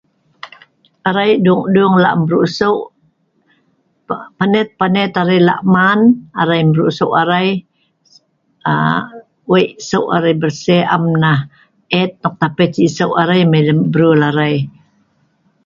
We always wash our hands every time we want to eat. We wash our hands so that our hands are clean. There is no disease attached to the hand and inside our body